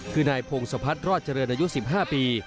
คือนายพงศพัฒน์รอดเจริญอายุ๑๕ปี